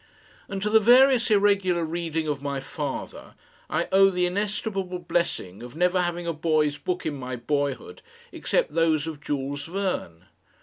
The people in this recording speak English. And to the various irregular reading of my father I owe the inestimable blessing of never having a boy's book in my boyhood except those of Jules Verne.